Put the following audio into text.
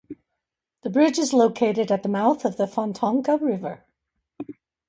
The bridge is located at the mouth of the Fontanka River.